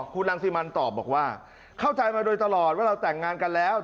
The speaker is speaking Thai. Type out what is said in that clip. คุณรังสิมันตอบบอกว่าเข้าใจมาโดยตลอดว่าเราแต่งงานกันแล้ว